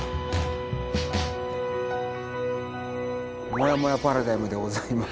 「もやもやパラダイム」でございます。